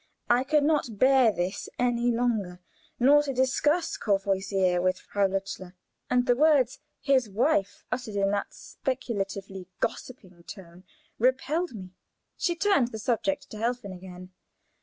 I could not bear this any longer, nor to discuss Courvoisier with Frau Lutzler, and the words "his wife," uttered in that speculatively gossiping tone, repelled me. She turned the subject to Helfen again.